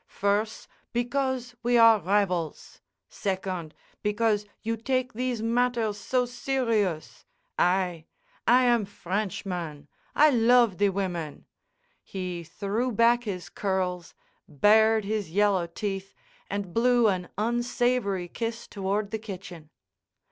Firs', because we are rivals; second, because you take these matters so serious. I—I am Frenchman. I love the women"—he threw back his curls, bared his yellow teeth, and blew an unsavory kiss toward the kitchen.